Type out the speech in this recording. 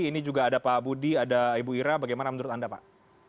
ini juga ada pak budi ada ibu ira bagaimana menurut anda pak